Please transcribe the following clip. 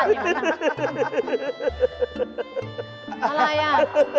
อะไรอ่ะ